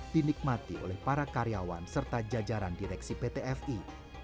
dinikmati oleh para karyawan serta jajaran direksi pt fi